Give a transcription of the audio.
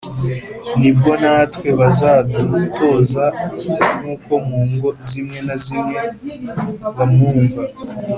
Ni bwo natwe bazabudutoza nk’uko mu ngo zimwe na zimwe babwumva